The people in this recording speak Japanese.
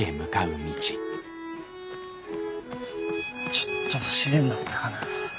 ちょっと不自然だったかな。